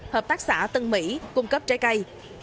hợp tác xã tân mỹ cung cấp trái cây